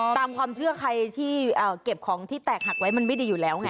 ตามความเชื่อใครที่เก็บของที่แตกหักไว้มันไม่ดีอยู่แล้วไง